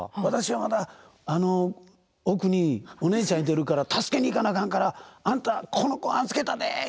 「私はまだ奥にお姉ちゃんいてるから助けに行かなあかんからあんたこの子預けたで！」